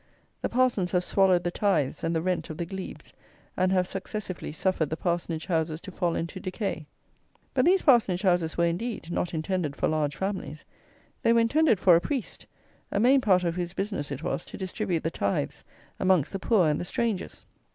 The parsons have swallowed the tithes and the rent of the glebes; and have, successively, suffered the parsonage houses to fall into decay. But these parsonage houses were, indeed, not intended for large families. They were intended for a priest, a main part of whose business it was to distribute the tithes amongst the poor and the strangers!